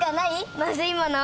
まずいもの。